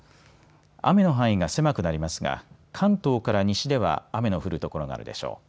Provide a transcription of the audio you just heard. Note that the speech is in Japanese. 雨の範囲が狭くなりますが関東から西では雨の降る所があるでしょう。